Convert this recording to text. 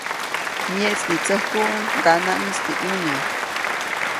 Myeʼtsnitsäkuʼuŋ ŋganaʼŋis teʼ ʼyuneʼ.